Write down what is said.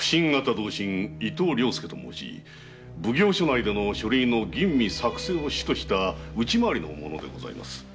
同心・伊東良介と申し奉行所内での書類の吟味・作成を主とした内まわりの者です。